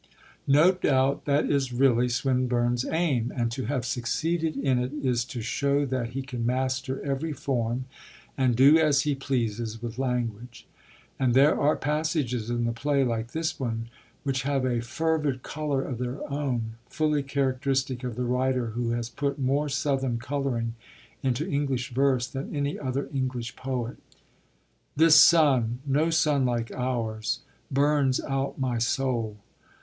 No doubt that is really Swinburne's aim, and to have succeeded in it is to show that he can master every form, and do as he pleases with language. And there are passages in the play, like this one, which have a fervid colour of their own, fully characteristic of the writer who has put more Southern colouring into English verse than any other English poet: This sun no sun like ours burns out my soul.